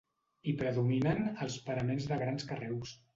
Hi predominen els paraments de grans carreus.